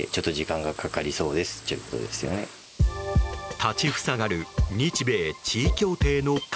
立ちふさがる日米地位協定の壁。